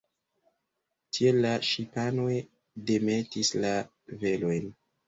Tial la ŝipanoj demetis la velojn.